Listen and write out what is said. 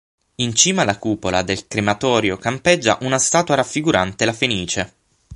In cima alla cupola del crematorio campeggia una statua raffigurante la fenice.